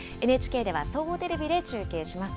ＮＨＫでは総合テレビで中継します。